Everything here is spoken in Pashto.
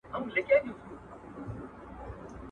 ټولنيز پوهان بايد ډېر صبر ولري.